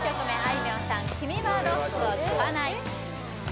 いみょんさん「君はロックを聴かない」